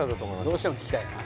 どうしても聞きたいの？